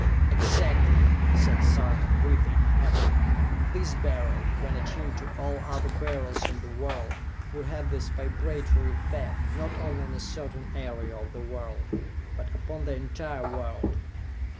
"Exactly!" said Sarka, breathing heavily. "This Beryl, when attuned to all other Beryls in the world, would have this vibratory effect, not only on a certain area of the world but upon the entire world!